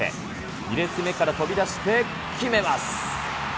２列目から飛び出して決めます。